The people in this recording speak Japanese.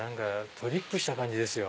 トリップした感じですよ。